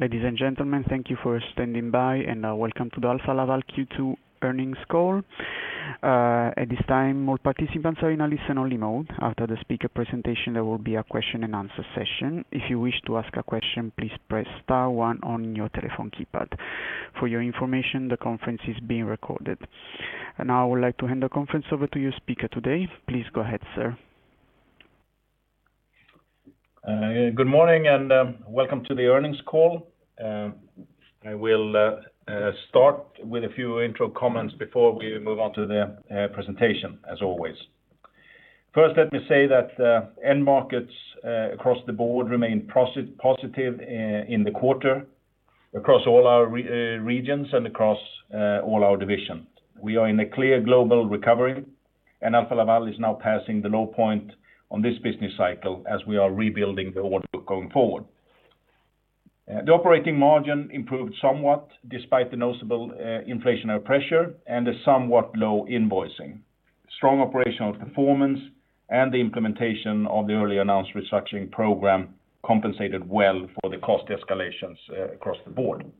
Ladies and gentlemen, thank you for standing by, and welcome to the Alfa Laval Q2 earnings call. At this time, all participants are in a listen-only mode. After the speaker presentation, there will be a question-and-answer session. If you wish to ask a question, please press star one on your telephone keypad. For your information, the conference is being recorded. Now I would like to hand the conference over to your speaker today. Please go ahead, sir. Good morning. Welcome to the earnings call. I will start with a few intro comments before we move on to the presentation, as always. First, let me say that end markets across the board remain positive in the quarter across all our regions and across all our divisions. We are in a clear global recovery, and Alfa Laval is now passing the low point on this business cycle as we are rebuilding the order book going forward. The operating margin improved somewhat despite the noticeable inflationary pressure and the somewhat low invoicing. Strong operational performance and the implementation of the early announced restructuring program compensated well for the cost escalations across the board.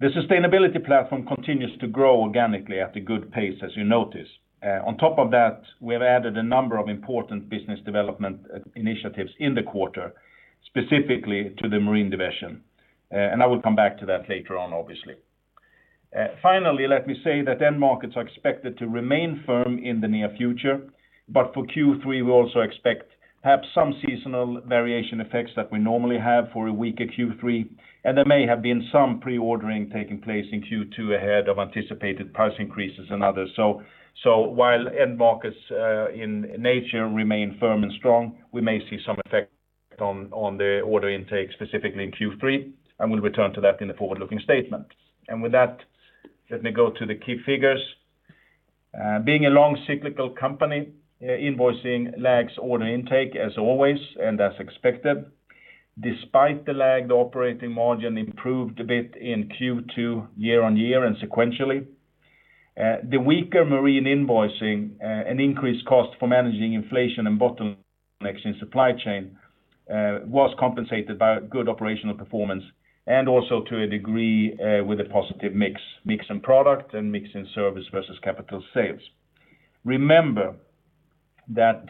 The sustainability platform continues to grow organically at a good pace, as you notice. On top of that, we have added a number of important business development initiatives in the quarter, specifically to the Marine Division, and I will come back to that later on, obviously. Let me say that end markets are expected to remain firm in the near future, but for Q3, we also expect perhaps some seasonal variation effects that we normally have for a weaker Q3, and there may have been some pre-ordering taking place in Q2 ahead of anticipated price increases and others. While end markets in nature remain firm and strong, we may see some effect on the order intake, specifically in Q3, and we'll return to that in the forward-looking statement. With that, let me go to the key figures. Being a long cyclical company, invoicing lags order intake, as always, and as expected. Despite the lag, the operating margin improved a bit in Q2 year-over-year and sequentially. The weaker Marine invoicing, an increased cost for managing inflation and bottlenecks in supply chain was compensated by good operational performance and also to a degree, with a positive mix in product and mix in service versus capital sales. Remember that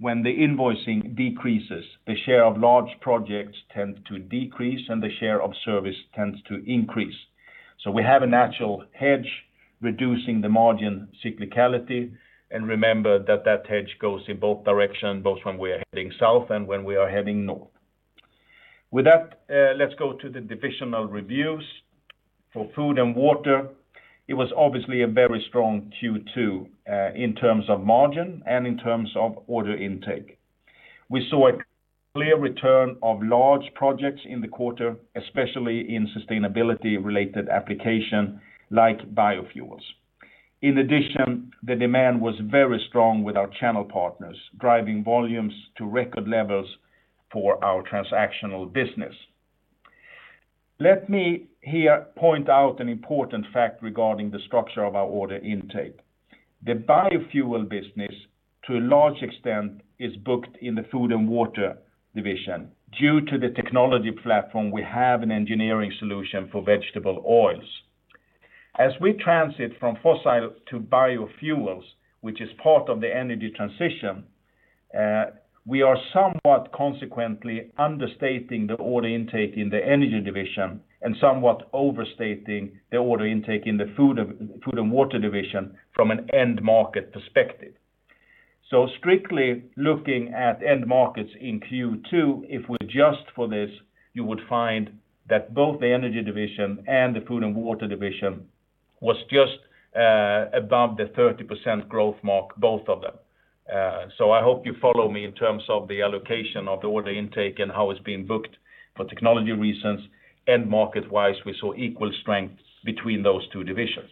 when the invoicing decreases, the share of large projects tends to decrease, and the share of service tends to increase. We have a natural hedge reducing the margin cyclicality, and remember that hedge goes in both directions, both when we are heading south and when we are heading north. With that, let's go to the divisional reviews. For Food & Water, it was obviously a very strong Q2 in terms of margin and in terms of order intake. We saw a clear return of large projects in the quarter, especially in sustainability-related application like biofuels. In addition, the demand was very strong with our channel partners, driving volumes to record levels for our transactional business. Let me here point out an important fact regarding the structure of our order intake. The biofuel business, to a large extent, is booked in the Food & Water Division. Due to the technology platform, we have an engineering solution for vegetable oils. As we transit from fossil to biofuels, which is part of the energy transition, we are somewhat consequently understating the order intake in the Energy Division and somewhat overstating the order intake in the Food & Water Division from an end-market perspective. Strictly looking at end markets in Q2, if we adjust for this, you would find that both the Energy Division and the Food & Water Division was just above the 30% growth mark, both of them. I hope you follow me in terms of the allocation of the order intake and how it's being booked for technology reasons. End market-wise, we saw equal strength between those two divisions.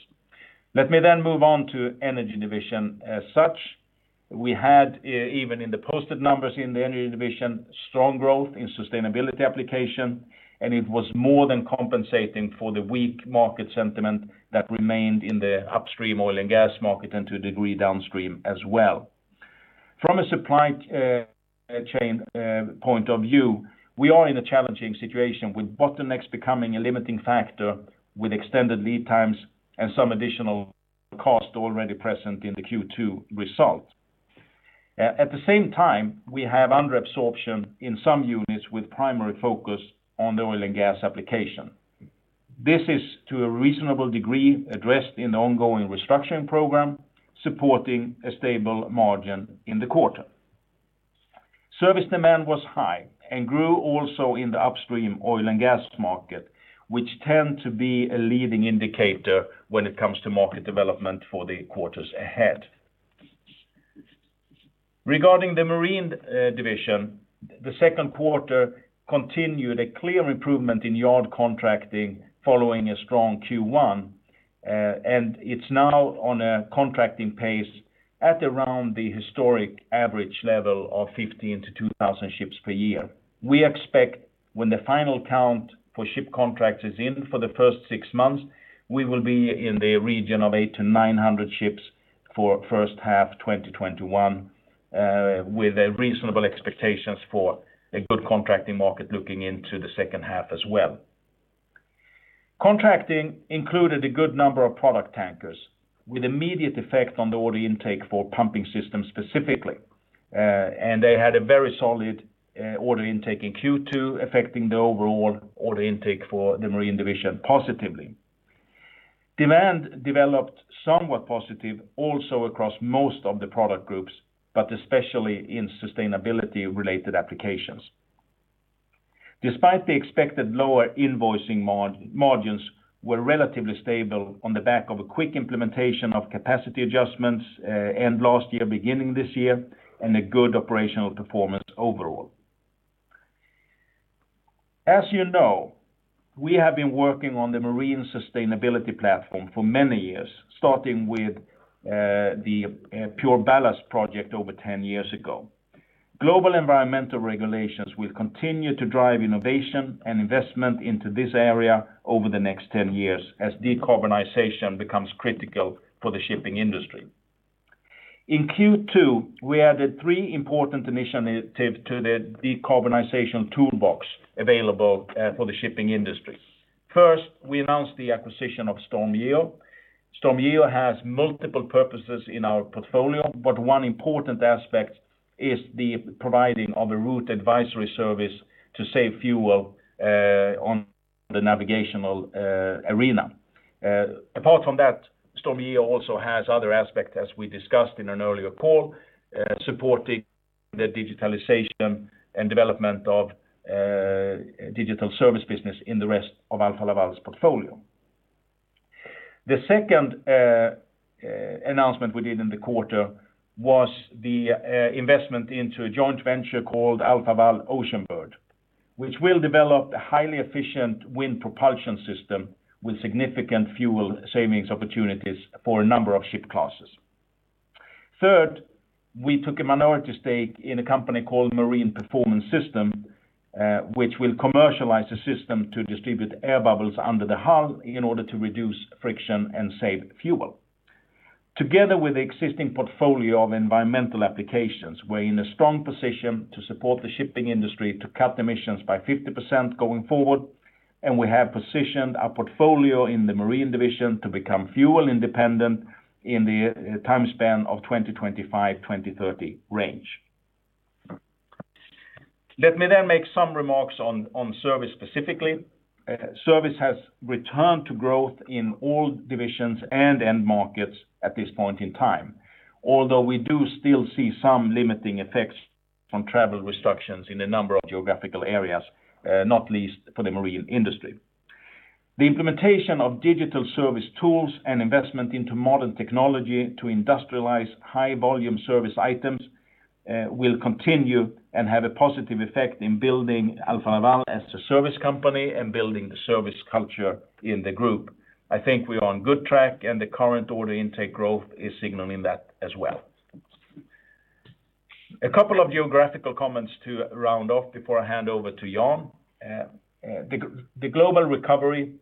Let me move on to Energy Division as such. We had, even in the posted numbers in the Energy Division, strong growth in sustainability application, and it was more than compensating for the weak market sentiment that remained in the upstream oil and gas market, and to a degree, downstream as well. From a supply chain point of view, we are in a challenging situation with bottlenecks becoming a limiting factor with extended lead times, and some additional cost already present in the Q2 result. At the same time, we have under-absorption in some units with primary focus on the oil and gas application. This is to a reasonable degree addressed in the ongoing restructuring program, supporting a stable margin in the quarter. Service demand was high and grew also in the upstream oil and gas market, which tend to be a leading indicator when it comes to market development for the quarters ahead. Regarding the Marine Division, the second quarter continued a clear improvement in yard contracting following a strong Q1, and it's now on a contracting pace at around the historic average level of 1,500-2,000 ships per year. We expect when the final count for ship contracts is in for the first six months, we will be in the region of 800-900 ships. For first half 2021, with reasonable expectations for a good contracting market looking into the second half as well. Contracting included a good number of product tankers with immediate effect on the order intake for pumping systems specifically. They had a very solid order intake in Q2, affecting the overall order intake for the Marine Division positively. Demand developed somewhat positive also across most of the product groups, but especially in sustainability-related applications. Despite the expected lower invoicing margins, were relatively stable on the back of a quick implementation of capacity adjustments end last year, beginning this year, and a good operational performance overall. You know, we have been working on the Marine sustainability platform for many years, starting with the PureBallast project over 10 years ago. Global environmental regulations will continue to drive innovation and investment into this area over the next 10 years as decarbonization becomes critical for the shipping industry. In Q2, we added three important initiatives to the decarbonization toolbox available for the shipping industry. First, we announced the acquisition of StormGeo. StormGeo has multiple purposes in our portfolio, one important aspect is the providing of a route advisory service to save fuel on the navigational arena. Apart from that, StormGeo also has other aspects, as we discussed in an earlier call, supporting the digitalization and development of digital service business in the rest of Alfa Laval's portfolio. The second announcement we did in the quarter was the investment into a joint venture called AlfaWall Oceanbird, which will develop a highly efficient wind propulsion system with significant fuel savings opportunities for a number of ship classes. Third, we took a minority stake in a company called Marine Performance System, which will commercialize a system to distribute air bubbles under the hull in order to reduce friction and save fuel. Together with the existing portfolio of environmental applications, we're in a strong position to support the shipping industry to cut emissions by 50% going forward. We have positioned our portfolio in the Marine Division to become fuel independent in the time span of 2025, 2030 range. Let me make some remarks on service specifically. Service has returned to growth in all divisions and end markets at this point in time. Although we do still see some limiting effects from travel restrictions in a number of geographical areas, not least for the Marine Division. The implementation of digital service tools and investment into modern technology to industrialize high-volume service items, will continue and have a positive effect in building Alfa Laval as a service company and building the service culture in the Group. I think we're on good track, and the current order intake growth is signaling that as well. A couple of geographical comments to round off, before I hand over to Jan. The global recovery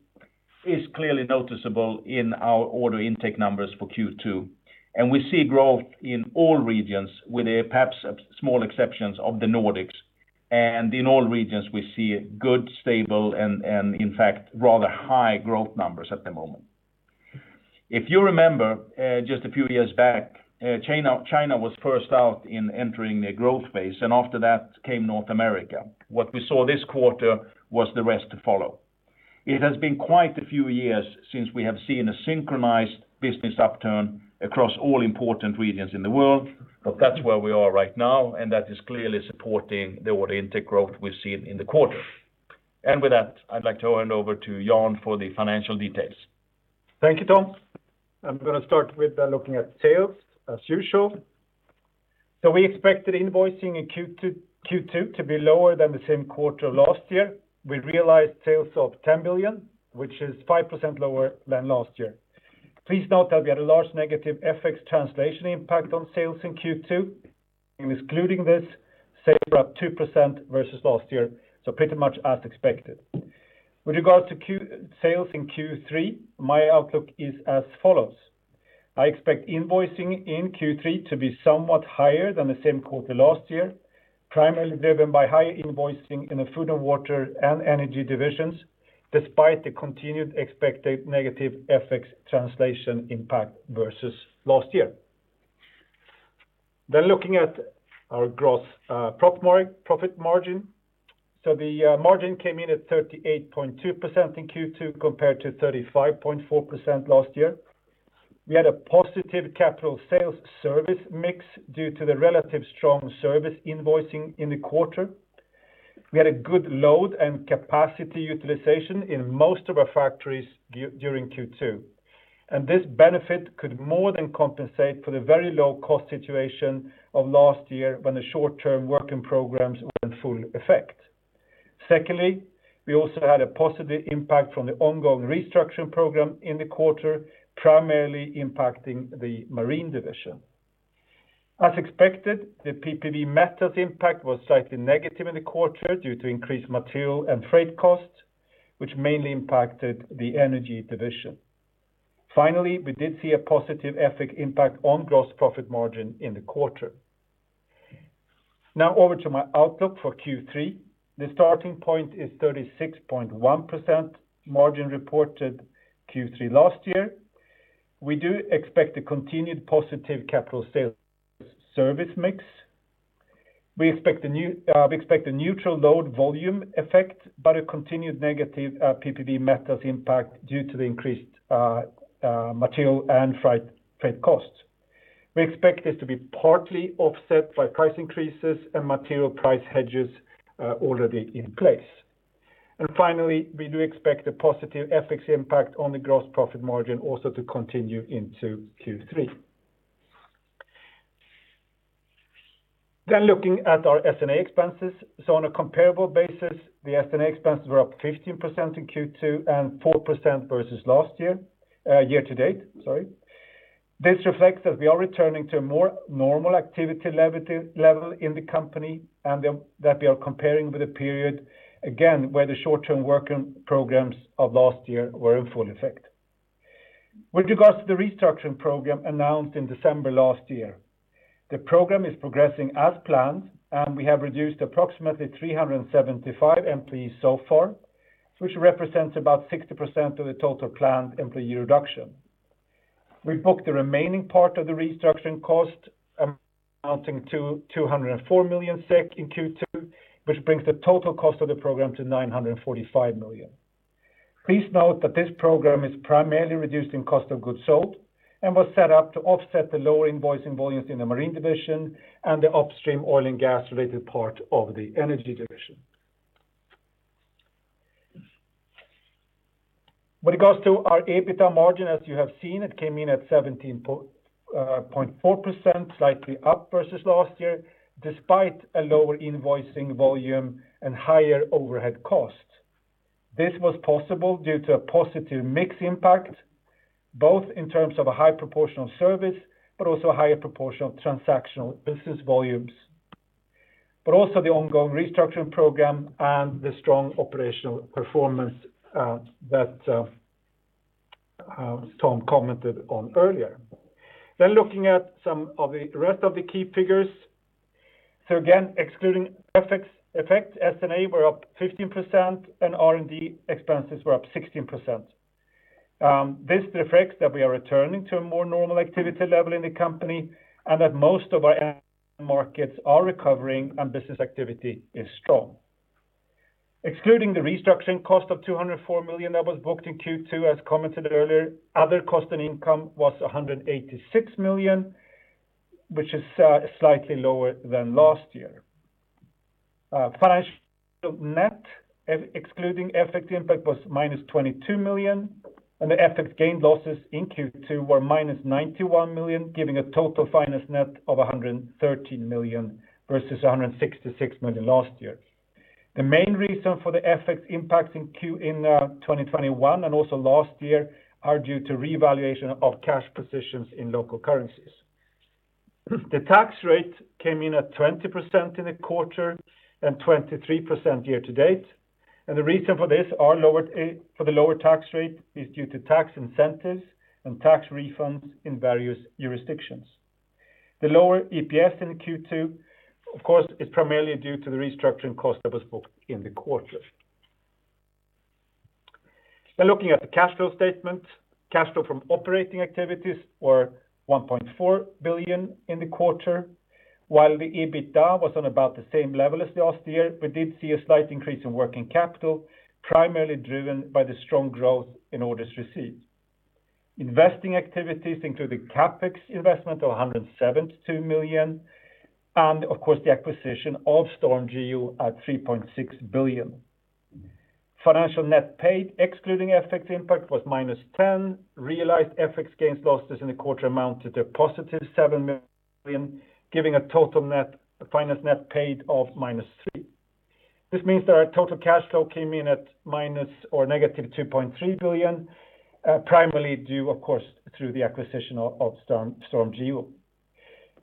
is clearly noticeable in our order intake numbers for Q2, and we see growth in all regions with perhaps small exceptions of the Nordics. In all regions, we see good, stable, and in fact, rather high growth numbers at the moment. If you remember, just a few years back, China was first out in entering the growth phase, and after that came North America. What we saw this quarter was the rest follow. It has been quite a few years since we have seen a synchronized business upturn across all important regions in the world. That's where we are right now, and that is clearly supporting the order intake growth we've seen in the quarter. With that, I'd like to hand over to Jan for the financial details. Thank you, Tom. I'm going to start with looking at sales as usual. We expected invoicing in Q2 to be lower than the same quarter last year. We realized sales of 10 billion, which is 5% lower than last year. Please note that we had a large negative FX translation impact on sales in Q2. Excluding this, sales were up 2% versus last year, pretty much as expected. With regards to sales in Q3, my outlook is as follows. I expect invoicing in Q3 to be somewhat higher than the same quarter last year, primarily driven by higher invoicing in the Food & Water and Energy divisions, despite the continued expected negative FX translation impact versus last year. Looking at our gross profit margin. The margin came in at 38.2% in Q2 compared to 35.4% last year. We had a positive capital sales service mix due to the relative strong service invoicing in the quarter. We had a good load and capacity utilization in most of our factories during Q2. This benefit could more than compensate for the very low cost situation of last year when the short-term working programs were in full effect. Secondly, we also had a positive impact from the ongoing restructuring program in the quarter, primarily impacting the Marine Division. As expected, the PPV metals impact was slightly negative in the quarter due to increased material and freight costs, which mainly impacted the Energy Division. Finally, we did see a positive FX impact on gross profit margin in the quarter. Now over to my outlook for Q3. The starting point is 36.1% margin reported Q3 last year. We do expect a continued positive capital sales service mix. We expect a neutral load volume effect, but a continued negative PPV metals impact due to the increased material and freight costs. We expect this to be partly offset by price increases and material price hedges already in place. Finally, we do expect a positive FX impact on the gross profit margin also to continue into Q3. Looking at our S&A expenses. On a comparable basis, the S&A expenses were up 15% in Q2 and 4% year-to-date. This reflects that we are returning to a more normal activity level in the company and that we are comparing with a period, again, where the short-term working programs of last year were in full effect. With regards to the restructuring program announced in December last year, the program is progressing as planned, and we have reduced approximately 375 employees so far, which represents about 60% of the total planned employee reduction. We've booked the remaining part of the restructuring cost, amounting to 204 million SEK in Q2, which brings the total cost of the program to 945 million. Please note that this program is primarily reducing cost of goods sold and was set up to offset the lower invoicing volumes in the Marine Division and the upstream oil and gas-related part of the Energy Division. When it comes to our EBITDA margin, as you have seen, it came in at 17.4%, slightly up versus last year, despite a lower invoicing volume and higher overhead costs. This was possible due to a positive mix impact, both in terms of a high proportion of service, but also a higher proportion of transactional business volumes, also the ongoing restructuring program and the strong operational performance that Tom commented on earlier. Looking at some of the rest of the key figures. Again, excluding FX effect, S&A were up 15% and R&D expenses were up 16%. This reflects that we are returning to a more normal activity level in the company and that most of our end markets are recovering and business activity is strong. Excluding the restructuring cost of 204 million that was booked in Q2, as commented earlier, other cost and income was 186 million, which is slightly lower than last year. Financial net, excluding FX impact, was -22 million, and the FX gain losses in Q2 were -91 million, giving a total finance net of 113 million versus 166 million last year. The main reason for the FX impact in 2021 and also last year are due to revaluation of cash positions in local currencies. The tax rate came in at 20% in the quarter and 23% year-to-date. The reason for the lower tax rate is due to tax incentives and tax refunds in various jurisdictions. The lower EPS in Q2, of course, is primarily due to the restructuring cost that was booked in the quarter. Now looking at the cash flow statement, cash flow from operating activities were 1.4 billion in the quarter. While the EBITDA was on about the same level as the last year, we did see a slight increase in working capital, primarily driven by the strong growth in orders received. Investing activities include the CapEx investment of 172 million and, of course, the acquisition of StormGeo at 3.6 billion. Financial net paid, excluding FX impact, was -10 million. Realized FX gains losses in the quarter amounted to a +7 million, giving a total finance net paid of -3 million. This means that our total cash flow came in at -2.3 billion, primarily due, of course, through the acquisition of StormGeo.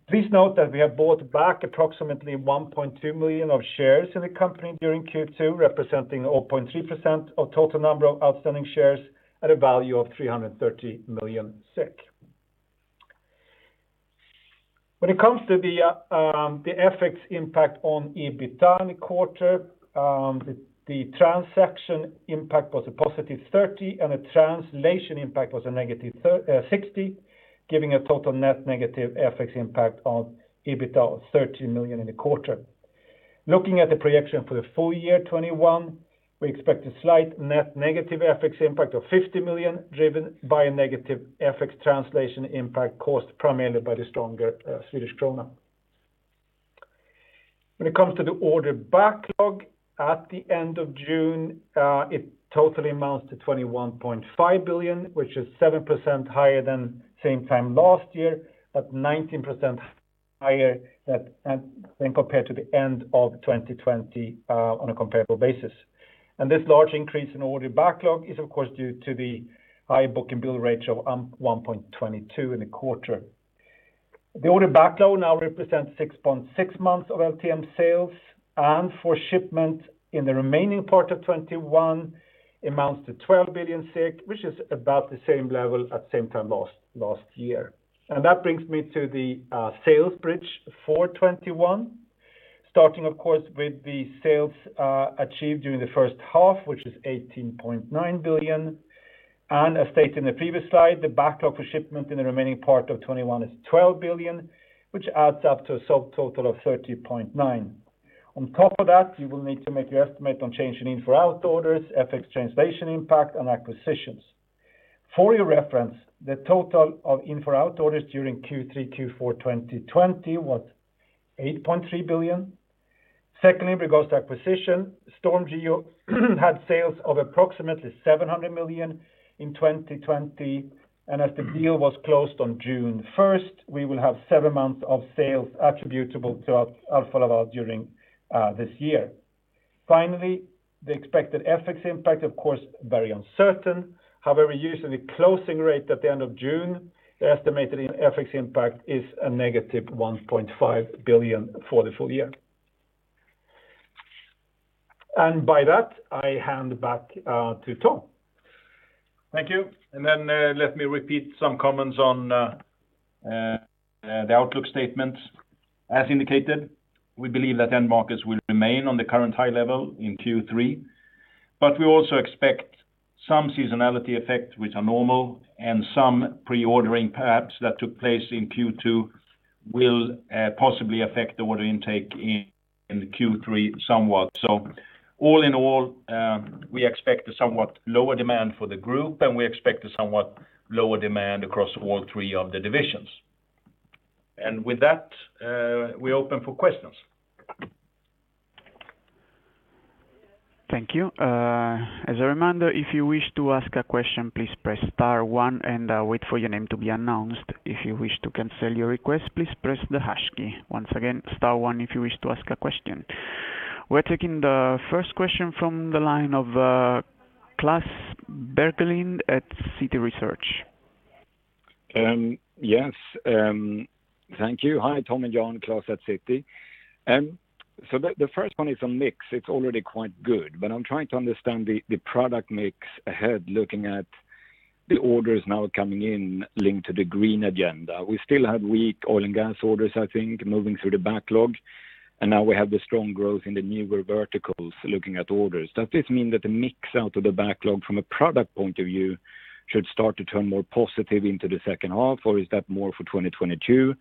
Please note that we have bought back approximately 1.2 million of shares in the company during Q2, representing 0.3% of total number of outstanding shares at a value of 330 million. When it comes to the FX impact on EBITDA in the quarter, the transaction impact was a +30 million and the translation impact was a -60 million, giving a total net negative FX impact on EBITDA of 30 million in the quarter. Looking at the projection for the full year 2021, we expect a slight net negative FX impact of 50 million, driven by a negative FX translation impact caused primarily by the stronger Swedish krona. When it comes to the order backlog, at the end of June, it totally amounts to 21.5 billion, which is 7% higher than same time last year, but 19% higher than compared to the end of 2020 on a comparable basis. This large increase in order backlog is, of course, due to the high book-and-bill rate of 1.22x in the quarter. The order backlog now represents 6.6 months of LTM sales, and for shipment in the remaining part of 2021 amounts to 12 billion, which is about the same level at the same time last year. That brings me to the sales bridge for 2021. Starting, of course, with the sales achieved during the first half, which is 18.9 billion. As stated in the previous slide, the backlog for shipment in the remaining part of 2021 is 12 billion, which adds up to a subtotal of 30.9 billion. On top of that, you will need to make your estimate on change in in-for-out orders, FX translation impact, and acquisitions. For your reference, the total of in-for-out orders during Q3, Q4 2020 was SEK 8.3 billion. Regards to acquisition, StormGeo had sales of approximately 700 million in 2020, and as the deal was closed on June 1st, we will have seven months of sales attributable to Alfa Laval during this year. The expected FX impact, of course, very uncertain. However, using the closing rate at the end of June, the estimated FX impact is a -1.5 billion for the full year. By that, I hand back to Tom. Thank you. Let me repeat some comments on the outlook statement. As indicated, we believe that end markets will remain on the current high level in Q3. We also expect some seasonality effect, which are normal, and some pre-ordering perhaps that took place in Q2 will possibly affect the order intake in Q3 somewhat. All in all, we expect a somewhat lower demand for the Group, and we expect a somewhat lower demand across all three of the divisions. With that, we open for questions. Thank you. As a reminder, if you wish to ask a question, please press star one and wait for your name to be announced. If you wish to cancel your request, please press the hash key. Once again, star one if you wish to ask a question. We are taking the first question from the line of Klas Bergelind at Citi Research. Yes, thank you. Hi, Tom and Jan. Klas at Citi. The first one is on mix. It's already quite good, but I'm trying to understand the product mix ahead looking at the orders now coming in linked to the green agenda. We still have weak oil and gas orders, I think, moving through the backlog. Now, we have the strong growth in the newer verticals looking at orders. Does this mean that the mix out of the backlog from a product point of view should start to turn more positive into the second half, or is that more for 2022,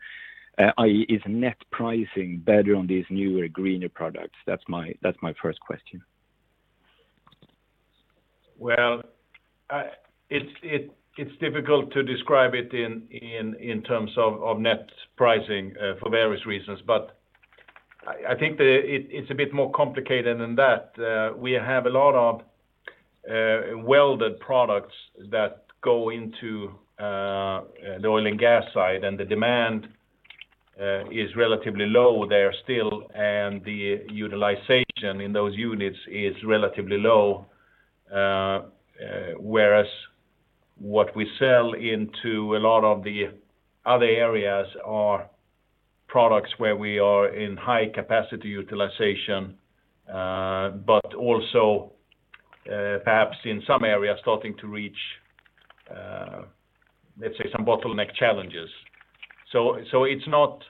i.e. is net pricing better on these newer, greener products? That's my first question. Well, it's difficult to describe it in terms of net pricing for various reasons. I think that it's a bit more complicated than that. We have a lot of welded products that go into the oil and gas side, and the demand is relatively low there still, and the utilization in those units is relatively low. Whereas what we sell into a lot of the other areas are products where we are in high capacity utilization, but also perhaps in some areas starting to reach, let's say, some bottleneck challenges. It's not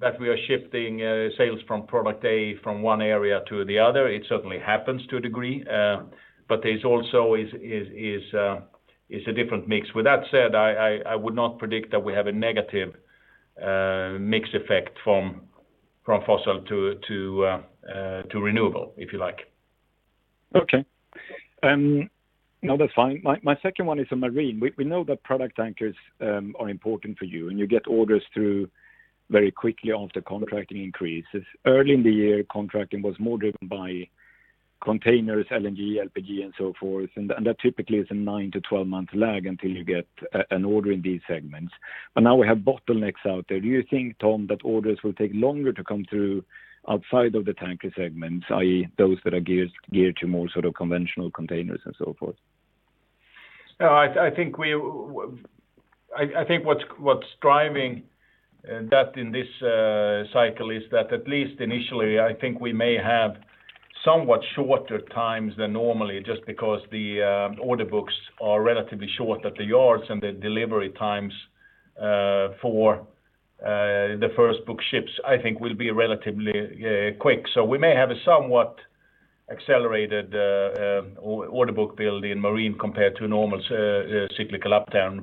that we are shifting sales from product A from one area to the other. It certainly happens to a degree, but there's also is a different mix. With that said, I would not predict that we have a negative mix effect from fossil to renewable, if you like. Okay. No, that's fine. My second one is on Marine. We know that product tankers are important for you, and you get orders through very quickly after contracting increases. Early in the year, contracting was more driven by containers, LNG, LPG, and so forth, and that typically is a 9 to 12-month lag until you get an order in these segments. Now we have bottlenecks out there. Do you think, Tom, that orders will take longer to come through outside of the tanker segments, i.e., those that are geared to more conventional containers and so forth? I think what's driving that in this cycle is that at least initially, I think we may have somewhat shorter times than normally just because the order books are relatively short at the yards and the delivery times for the first book ships, I think will be relatively quick. We may have a somewhat accelerated order book build in Marine compared to a normal cyclical upturn.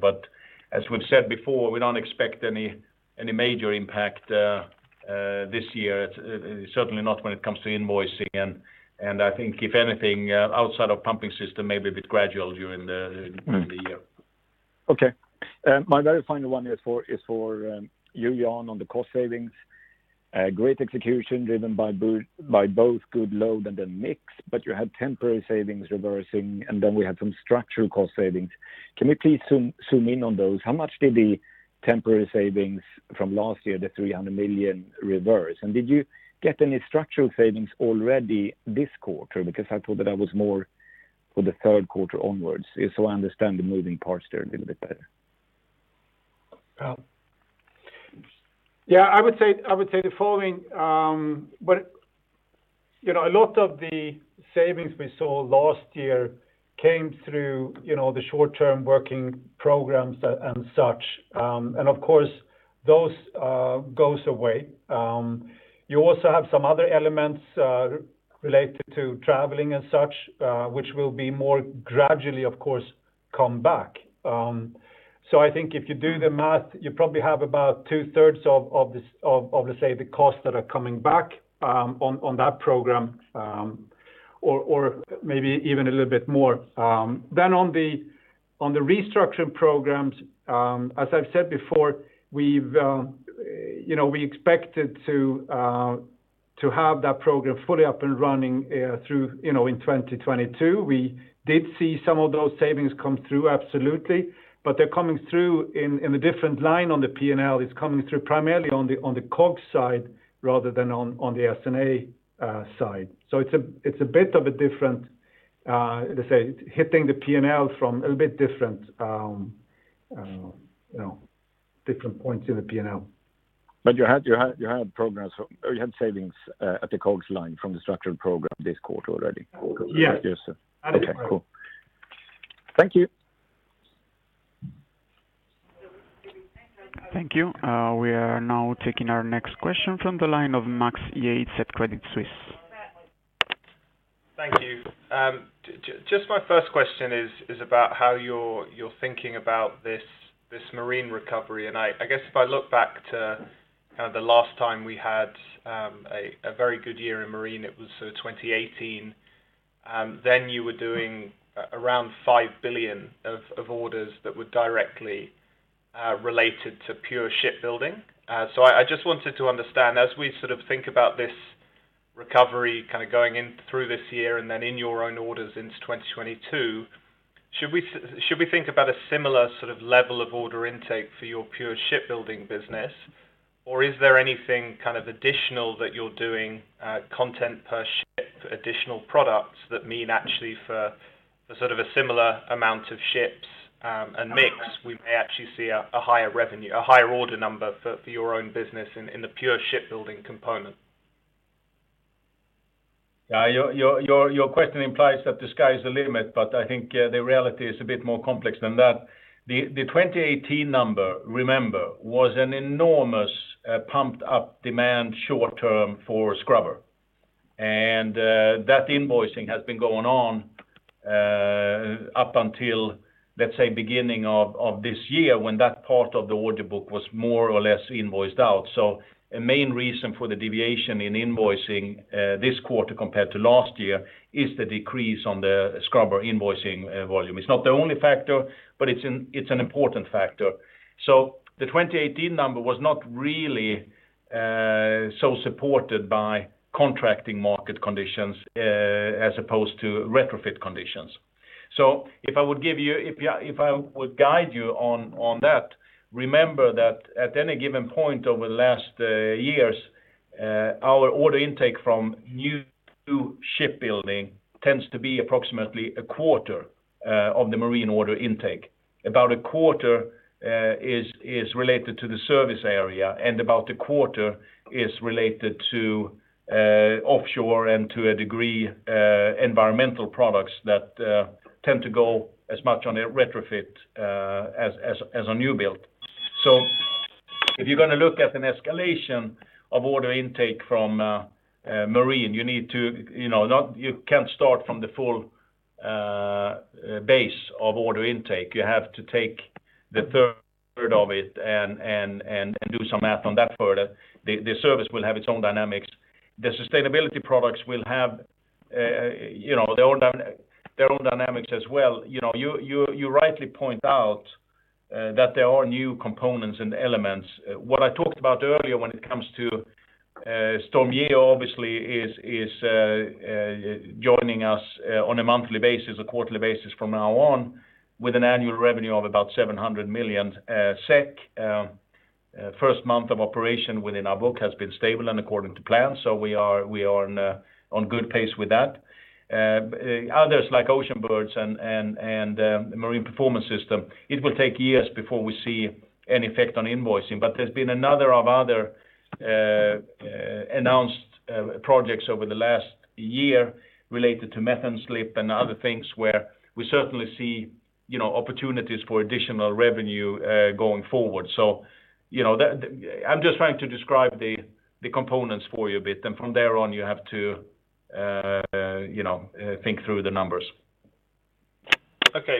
As we've said before, we don't expect any major impact this year, certainly not when it comes to invoicing. I think if anything, outside of pumping system may be a bit gradual during the year. Okay. My very final one is for you, Jan, on the cost savings. Great execution driven by both good load and the mix, but you had temporary savings reversing, and then we had some structural cost savings. Can you please zoom in on those? How much did the temporary savings from last year, the 300 million, reverse? Did you get any structural savings already this quarter? I thought that that was more for the third quarter onwards, so I understand the moving parts there a little bit better. I would say the following. A lot of the savings we saw last year came through the short-term working programs and such. Of course, those go away. You also have some other elements related to traveling and such, which will more gradually, of course, come back. I think if you do the math, you probably have about 2/3 of, let's say, the costs that are coming back on that program, or maybe even a little bit more. On the restructuring programs, as I've said before, we expected to have that program fully up and running in 2022. We did see some of those savings come through, absolutely. They're coming through in a different line on the P&L. It's coming through primarily on the COGS side rather than on the S&A side. It's a bit of a different, let's say, hitting the P&L from a little bit different points in the P&L. You had savings at the COGS line from the structured program this quarter already? Yes. Okay, cool. Thank you. Thank you. We are now taking our next question from the line of Max Yates at Credit Suisse. Thank you. Just my first question is about how you're thinking about this Marine recovery. I guess if I look back to the last time we had a very good year in Marine, it was 2018. You were doing around 5 billion of orders that were directly related to pure shipbuilding. I just wanted to understand, as we think about this recovery going in through this year, and then in your own orders into 2022, should we think about a similar sort of level of order intake for your pure shipbuilding business? Is there anything additional that you're doing, content per ship, additional products that mean actually for a similar amount of ships and mix? We may actually see a higher revenue, a higher order number for your own business in the pure shipbuilding component. Your question implies that the sky's the limit, but I think the reality is a bit more complex than that. The 2018 number, remember, was an enormous pumped-up demand short term for scrubber. That invoicing has been going on up until, let's say, beginning of this year when that part of the order book was more or less invoiced out. A main reason for the deviation in invoicing this quarter compared to last year is the decrease on the scrubber invoicing volume. It's not the only factor, but it's an important factor. The 2018 number was not really so supported by contracting market conditions as opposed to retrofit conditions. If I would guide you on that, remember that at any given point over the last years, our order intake from new shipbuilding tends to be approximately 1/4 of the Marine order intake. About 1/4 is related to the service area, and about 1/4 is related to offshore and to a degree, environmental products that tend to go as much on a retrofit as a new build. If you're going to look at an escalation of order intake from Marine, you can't start from the full base of order intake. You have to take 1/3 of it and do some math on that further. The service will have its own dynamics. The sustainability products will have their own dynamics as well. You rightly point out that there are new components and elements. What I talked about earlier when it comes to StormGeo, obviously, is joining us on a monthly basis, a quarterly basis from now on, with an annual revenue of about 700 million SEK. First month of operation within our book has been stable and according to plan. We are on good pace with that. Others like Oceanbird and Marine Performance System, it will take years before we see any effect on invoicing. There's been another of other announced projects over the last year related to methane slip and other things where we certainly see opportunities for additional revenue going forward. I'm just trying to describe the components for you a bit, and from there on, you have to think through the numbers. Okay.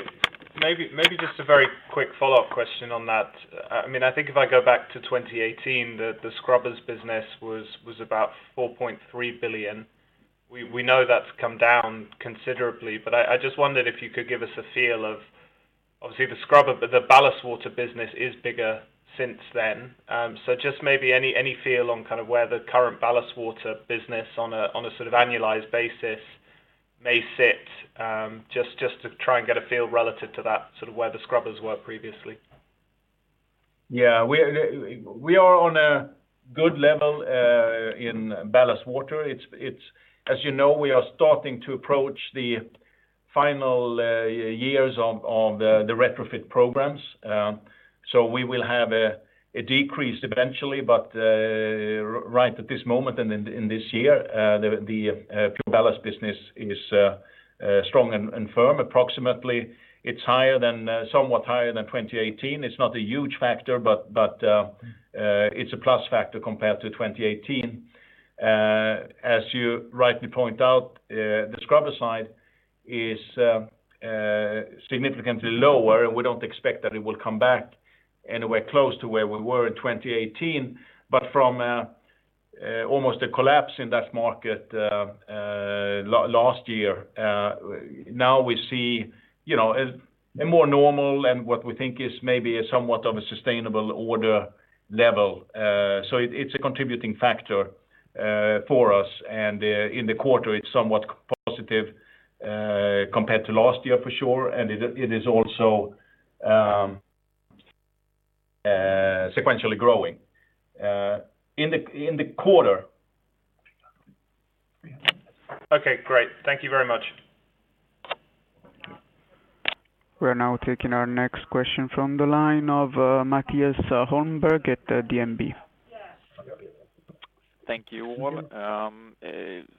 Maybe just a very quick follow-up question on that. I think if I go back to 2018, the scrubbers business was about 4.3 billion. We know that's come down considerably, but I just wondered if you could give us a feel of, obviously the scrubber, but the ballast water business is bigger since then. Just maybe any feel on where the current ballast water business on a sort of annualized basis may sit? Just to try and get a feel relative to that, where the scrubbers were previously. Yeah. We are on a good level in ballast water. As you know, we are starting to approach the final years of the retrofit programs. We will have a decrease eventually, but right at this moment and in this year, the PureBallast business is strong and firm. Approximately, it's somewhat higher than 2018. It's not a huge factor, but it's a plus factor compared to 2018. As you rightly point out, the scrubber side is significantly lower, and we don't expect that it will come back anywhere close to where we were in 2018. From almost a collapse in that market last year, now we see a more normal, and what we think is maybe a somewhat of a sustainable order level. It's a contributing factor for us. In the quarter, it's somewhat positive compared to last year for sure. It is also sequentially growing in the quarter. Okay, great. Thank you very much. We're now taking our next question from the line of Mattias Holmberg at DNB. Thank you all.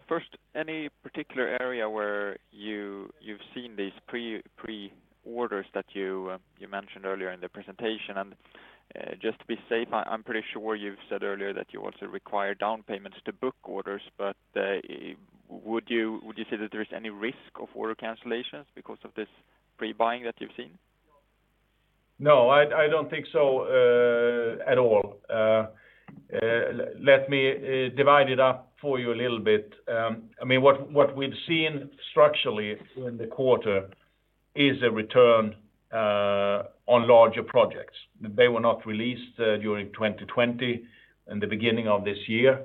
First, any particular area where you've seen these pre-orders that you mentioned earlier in the presentation? Just to be safe, I'm pretty sure you've said earlier that you also require down payments to book orders, but would you say that there is any risk of order cancellations because of this pre-buying that you've seen? No, I don't think so at all. Let me divide it up for you a little bit. What we've seen structurally in the quarter is a return on larger projects. They were not released during 2020 and the beginning of this year.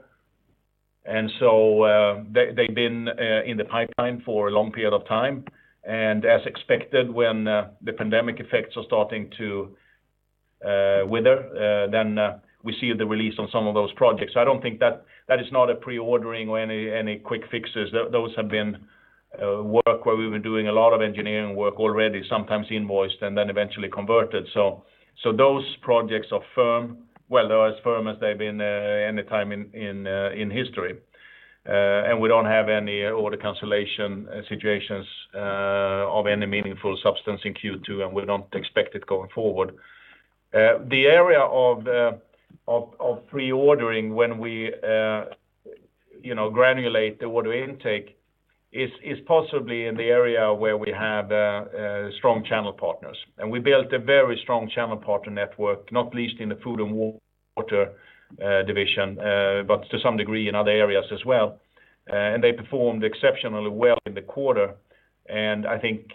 They'd been in the pipeline for a long period of time. As expected, when the pandemic effects are starting to wither, then we see the release on some of those projects. I don't think that is not a pre-ordering or any quick fixes. Those have been work where we've been doing a lot of engineering work already, sometimes invoiced, and then eventually converted. Those projects are firm. Well, they're as firm as they've been any time in history. We don't have any order cancellation situations of any meaningful substance in Q2, and we don't expect it going forward. The area of pre-ordering when we granulate the order intake is possibly in the area where we have strong channel partners. We built a very strong channel partner network, not least in the Food & Water Division, but to some degree in other areas as well. They performed exceptionally well in the quarter. I think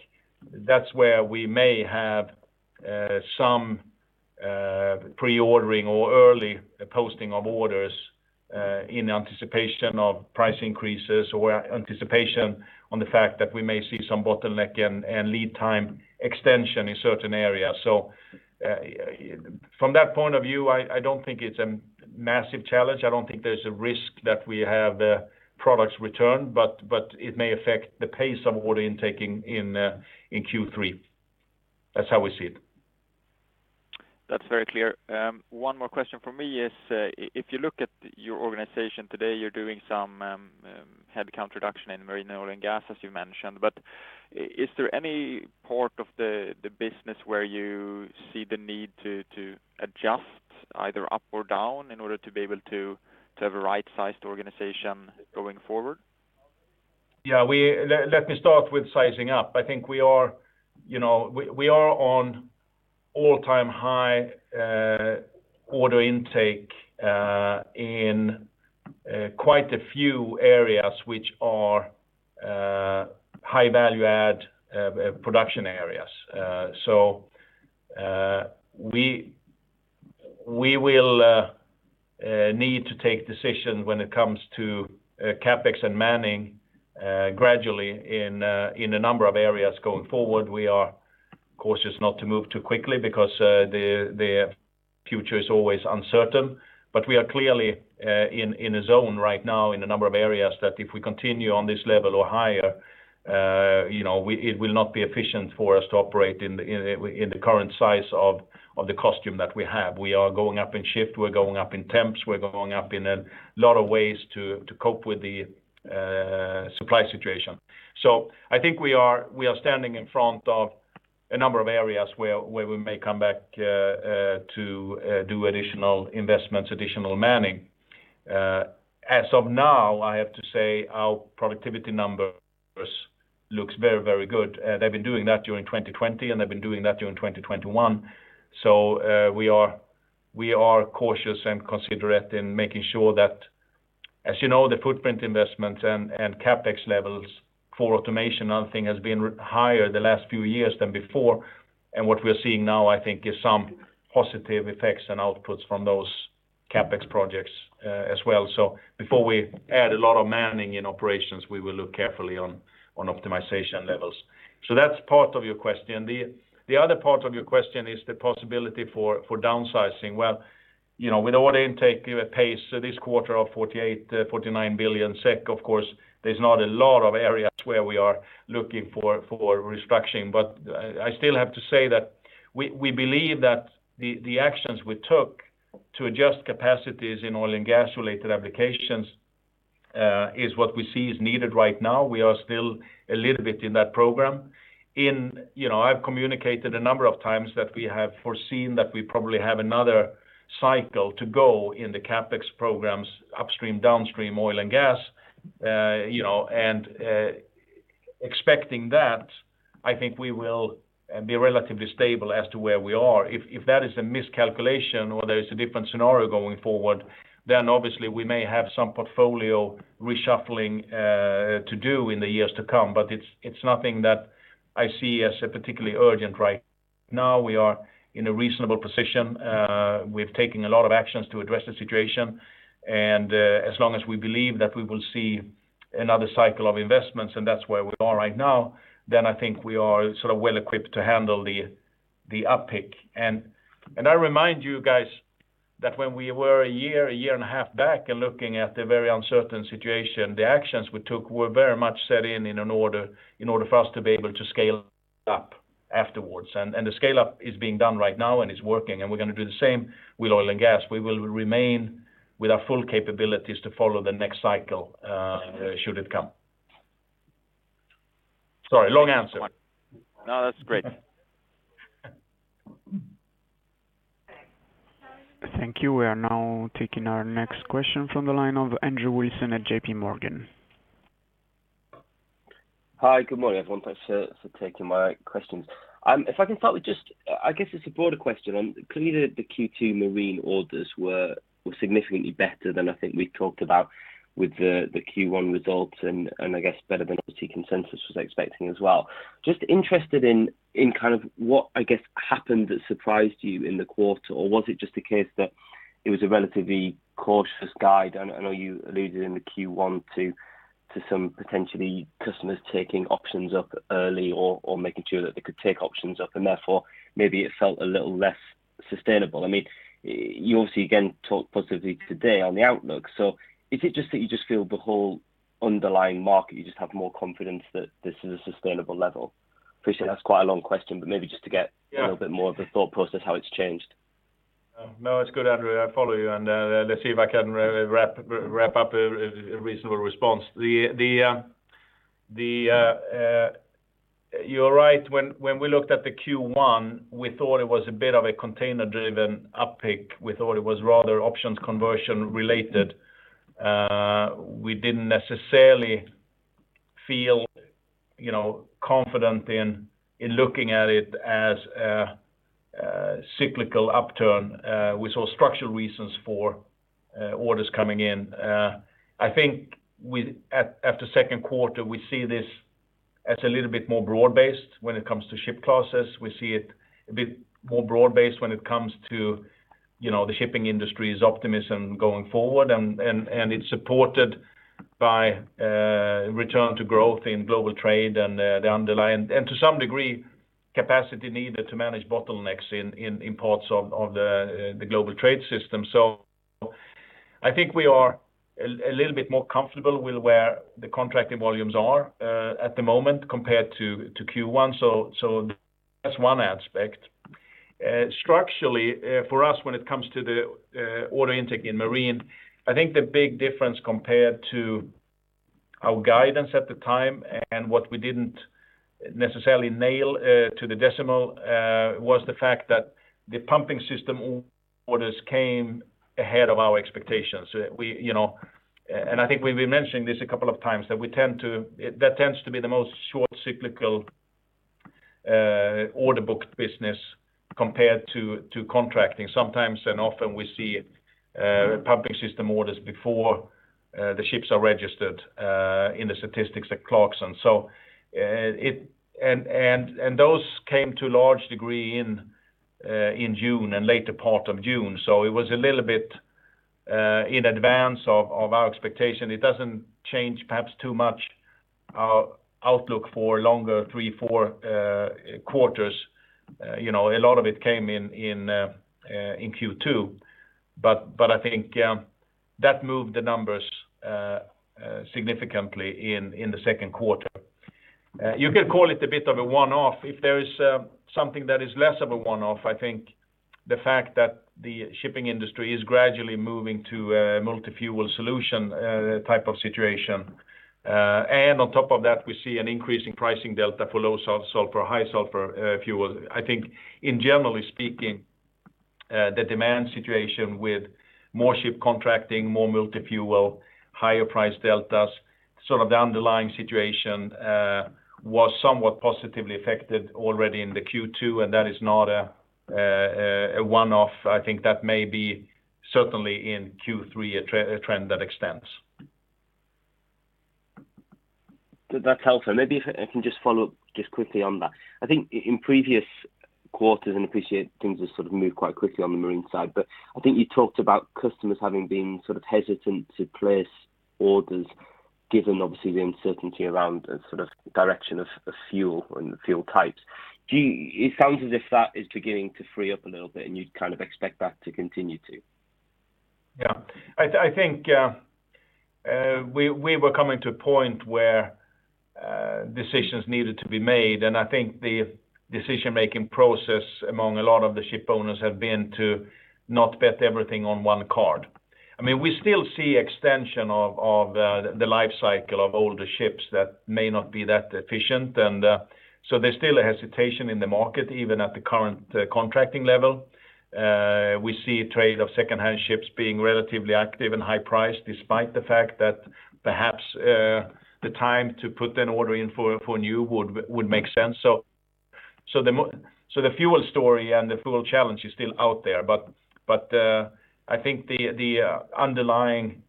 that's where we may have some pre-ordering or early posting of orders in anticipation of price increases or anticipation on the fact that we may see some bottleneck and lead time extension in certain areas. From that point of view, I don't think it's a massive challenge. I don't think there's a risk that we have products returned, but it may affect the pace of order intaking in Q3. That's how we see it. That's very clear. One more question from me is, if you look at your organization today, you're doing some headcount reduction in Marine, oil and gas, as you mentioned. Is there any part of the business where you see the need to adjust either up or down in order to be able to have a right-sized organization going forward? Let me start with sizing up. I think we are on all-time high order intake in quite a few areas, which are high value-add production areas. We will need to take decisions when it comes to CapEx and manning gradually in a number of areas going forward. We are cautious not to move too quickly because the future is always uncertain. We are clearly in a zone right now in a number of areas that if we continue on this level or higher, it will not be efficient for us to operate in the current size of the cost structure that we have. We are going up in shift. We're going up in temps. We're going up in a lot of ways to cope with the supply situation. I think we are standing in front of a number of areas where we may come back to do additional investments, additional manning. As of now, I have to say our productivity numbers look very, very good. They've been doing that during 2020, and they've been doing that during 2021. We are cautious and considerate in making sure that, as you know, the footprint investments and CapEx levels for automation, I think, has been higher the last few years than before. What we're seeing now, I think is some positive effects and outputs from those CapEx projects as well. Before we add a lot of manning in operations, we will look carefully on optimization levels. That's part of your question. The other part of your question is the possibility for downsizing. Well, with order intake at pace this quarter of 48 billion, 49 billion SEK, of course, there's not a lot of areas where we are looking for restructuring. I still have to say that we believe that the actions we took to adjust capacities in oil and gas-related applications is what we see is needed right now. We are still a little bit in that program. I've communicated a number of times that we have foreseen that we probably have another cycle to go in the CapEx programs: upstream, downstream, oil and gas. Expecting that, I think we will be relatively stable as to where we are. If that is a miscalculation or there is a different scenario going forward, then obviously we may have some portfolio reshuffling to do in the years to come. It's nothing that I see as particularly urgent right now. We are in a reasonable position. We've taken a lot of actions to address the situation. As long as we believe that we will see another cycle of investments, and that's where we are right now, then I think we are well-equipped to handle the uptick. I remind you guys that when we were a year, 1.5 years back and looking at the very uncertain situation, the actions we took were very much set in an order for us to be able to scale up afterwards. The scale-up is being done right now and is working, and we're going to do the same with oil and gas. We will remain with our full capabilities to follow the next cycle should it come. Sorry, long answer. No, that's great. Thank you. We are now taking our next question from the line of Andrew Wilson at JPMorgan. Hi. Good morning, everyone. Thanks for taking my questions. If I can start with just, I guess it's a broader question. The Q2 Marine orders were significantly better than I think we talked about with the Q1 results. I guess better than obviously consensus was expecting as well. Interested in what I guess happened that surprised you in the quarter. Was it just a case that it was a relatively cautious guide? I know you alluded in the Q1 to some potentially customers taking options up early, or making sure that they could take options up. Therefore maybe it felt a little less sustainable. You obviously, again, talked positively today on the outlook. Is it just that you just feel the whole underlying market, you just have more confidence that this is a sustainable level? Appreciate that's quite a long question, but maybe just to get- Yeah.... a little bit more of the thought process how it's changed? No, it's good, Andrew. I follow you. Let's see if I can wrap up a reasonable response. You're right. When we looked at the Q1, we thought it was a bit of a container-driven uptick. We thought it was rather options conversion related. We didn't necessarily feel confident in looking at it as a cyclical upturn. We saw structural reasons for orders coming in. I think after Q2, we see this as a little bit more broad-based when it comes to ship classes. We see it a bit more broad-based when it comes to the shipping industry's optimism going forward. It's supported by a return to growth in global trade and the underlying, and to some degree, capacity needed to manage bottlenecks in ports of the global trade system. I think we are a little bit more comfortable with where the contracting volumes are at the moment compared to Q1. That's one aspect. Structurally, for us, when it comes to the order intake in Marine, I think the big difference compared to our guidance at the time and what we didn't necessarily nail to the decimal was the fact that the pumping system orders came ahead of our expectations. I think we've been mentioning this a couple of times, that tends to be the most short cyclical order book business compared to contracting. Sometimes and often we see pumping system orders before the ships are registered in the statistics at Clarksons. Those came to a large degree in June and later part of June. It was a little bit in advance of our expectation. It doesn't change perhaps too much our outlook for longer, three, four quarters. A lot of it came in Q2, I think that moved the numbers significantly in the second quarter. You can call it a bit of a one-off. If there is something that is less of a one-off, I think the fact that the shipping industry is gradually moving to a multi-fuel solution type of situation. On top of that, we see an increase in pricing delta for low sulfur, high sulfur fuels. I think in generally speaking, the demand situation with more ship contracting, more multi-fuel, higher price deltas, sort of the underlying situation was somewhat positively affected already in the Q2. That is not a one-off. I think that may be certainly in Q3, a trend that extends. That's helpful. Maybe if I can just follow up quickly on that. I think in previous quarters, appreciate things have sort of moved quite quickly on the Marine side, I think you talked about customers having been hesitant to place orders given obviously the uncertainty around the direction of fuel and fuel types. It sounds as if that is beginning to free up a little bit, you'd kind of expect that to continue too. I think we were coming to a point where decisions needed to be made. I think the decision-making process among a lot of the ship owners have been to not bet everything on one card. We still see extension of the life cycle of older ships that may not be that efficient. There's still a hesitation in the market, even at the current contracting level. We see trade of secondhand ships being relatively active and high priced, despite the fact that perhaps the time to put an order in for new would make sense. The fuel story and the fuel challenge is still out there. I think the underlying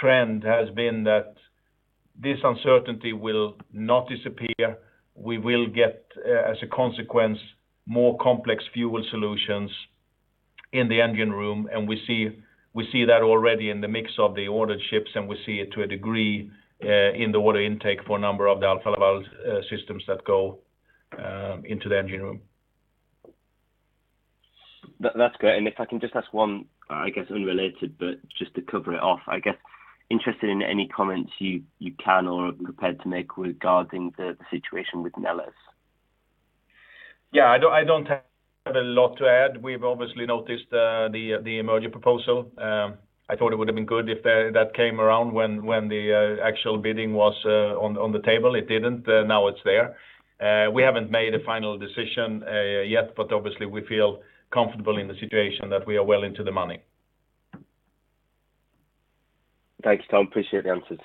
trend has been that this uncertainty will not disappear. We will get, as a consequence, more complex fuel solutions in the engine room. We see that already in the mix of the ordered ships, and we see it to a degree in the order intake for a number of the Alfa Laval systems that go into the engine room. That's great. If I can just ask one, I guess, unrelated, but just to cover it off. Interested in any comments you can or are prepared to make regarding the situation with Neles? I don't have a lot to add. We've obviously noticed the emerging proposal. I thought it would have been good if that came around when the actual bidding was on the table. It didn't. Now it's there. We haven't made a final decision yet, but obviously we feel comfortable in the situation that we are well into the money. Thanks, Tom. Appreciate the answers.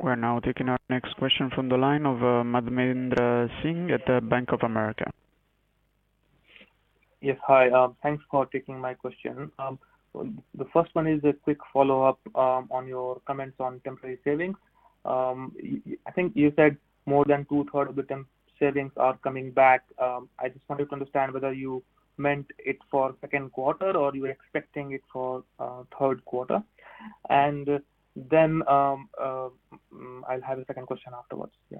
We're now taking our next question from the line of Madhvendra Singh at Bank of America. Yes. Hi. Thanks for taking my question. The first one is a quick follow-up on your comments on temporary savings. I think you said more than 2/3 of the temp savings are coming back. I just wanted to understand whether you meant it for second quarter or you were expecting it for third quarter? Then, I'll have a second question afterwards. Yeah.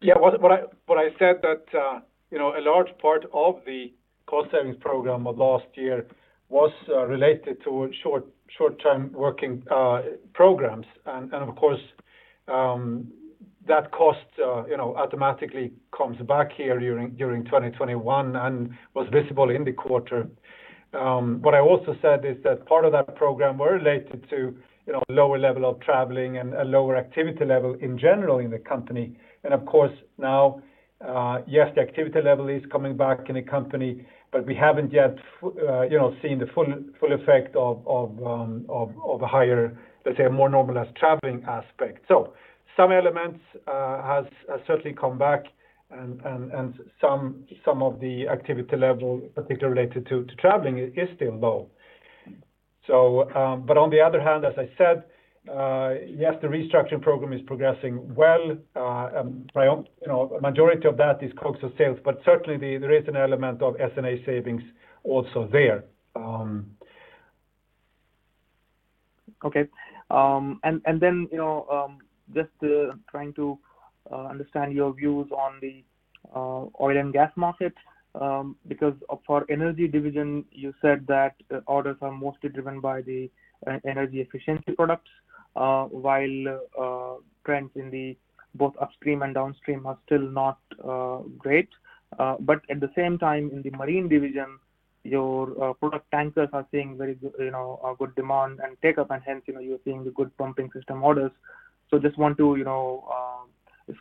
Yeah. What I said that a large part of the cost savings program of last year was related to short-term working programs. Of course, that cost automatically comes back here during 2021 and was visible in the quarter. I also said is that part of that program were related to lower level of traveling and a lower activity level in general in the company. Of course, now, yes, the activity level is coming back in the company, but we haven't yet seen the full effect of a higher, let's say, a more normalized traveling aspect. Some elements has certainly come back and some of the activity level, particularly related to traveling, is still low. On the other hand, as I said, yes, the restructuring program is progressing well. Majority of that is COGS of sales, but certainly there is an element of S&A savings also there. Okay. Just trying to understand your views on the oil and gas market. Because for Energy Division, you said that orders are mostly driven by the energy efficiency products, while trends in the both upstream and downstream are still not great. At the same time, in the Marine Division, your product tankers are seeing a very good demand and take-up. Hence, you're seeing the good pumping system orders. Just want to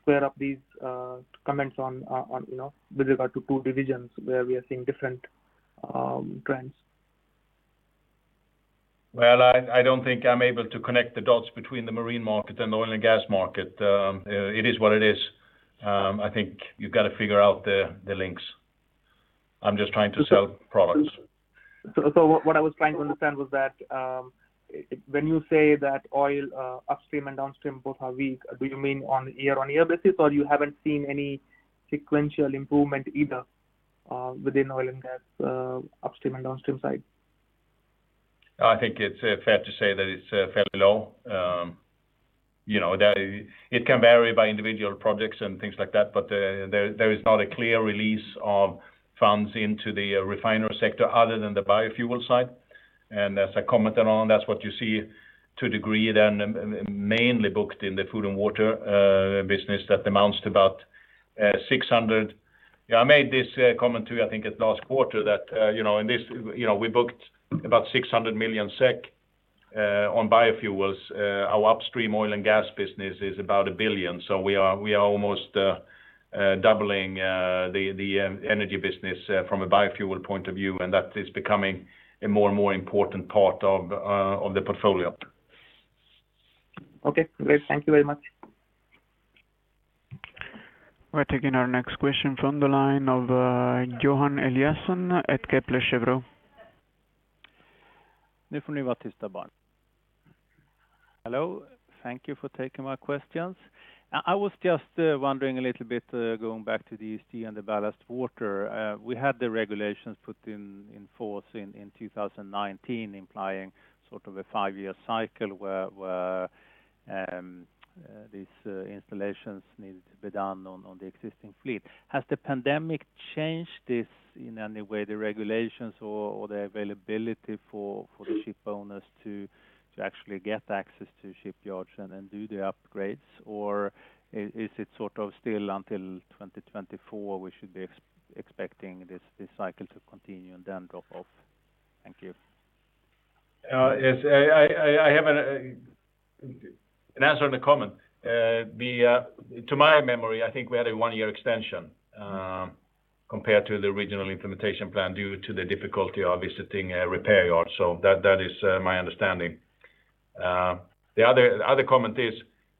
square up these comments with regard to two divisions where we are seeing different trends? Well, I don't think I'm able to connect the dots between the Marine market and the oil and gas market. It is what it is. I think you've got to figure out the links. I'm just trying to sell products. What I was trying to understand was that when you say that oil upstream and downstream both are weak, do you mean on year-on-year basis, or you haven't seen any sequential improvement either within oil and gas upstream and downstream side? I think it's fair to say that it's fairly low. It can vary by individual projects and things like that, but there is not a clear release of funds into the refinery sector other than the biofuel side. As I commented on, that's what you see to a degree then mainly booked in the Food & Water business that amounts to about 600 million. I made this comment too, I think, at last quarter that we booked about 600 million SEK on biofuels. Our upstream oil and gas business is about 1 billion. We are almost doubling the Energy Division from a biofuel point of view, and that is becoming a more and more important part of the portfolio. Okay, great. Thank you very much. We're taking our next question from the line of Johan Eliason at Kepler Cheuvreux. Hello. Thank you for taking my questions. I was just wondering a little bit, going back to ESG and the ballast water. We had the regulations put in force in 2019, implying sort of a five-year cycle where these installations needed to be done on the existing fleet. Has the pandemic changed this in any way, the regulations or the availability for the ship owners to actually get access to shipyards and then do the upgrades? Is it still until 2024, we should be expecting this cycle to continue and then drop off? Thank you. Yes. I have an answer and a comment. To my memory, I think we had a one-year extension compared to the original implementation plan due to the difficulty of visiting a repair yard. That is my understanding. The other comment is